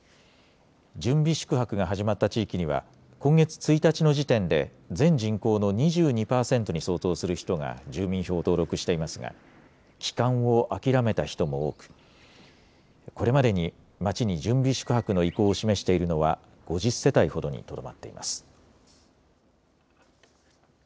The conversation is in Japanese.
準備宿泊が始まった地域には今月１日の時点で全人口の２２％に相当する人が住民票を登録していますが帰還を諦めた人も多くこれまでに町に準備宿泊の意向を示しているのは５０世帯ほどにとどまっています。